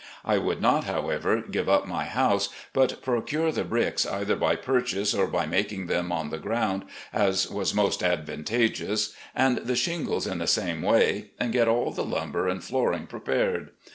I would not, however, give up my house, but procure the bricks either by purchase or by makin g them on the grotind, as was most advantageous, and the shingles in the same way, and get all the lumber and flooring prepared.